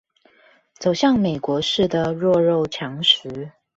走向美國式的弱肉強食